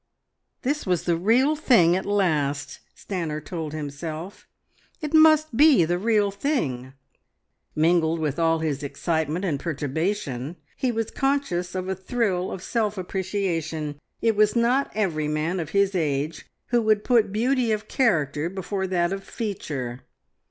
This was the real thing at last, Stanor told himself: it must be the real thing! Mingled with all his excitement and perturbation, he was conscious of a thrill of self appreciation. It was not every man of his age who would put beauty of character before that of feature.